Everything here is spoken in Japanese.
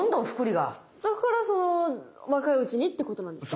だからその若いうちにっていうことなんですか？